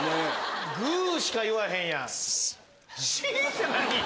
グ！しかいわへんやん。